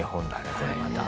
これまた。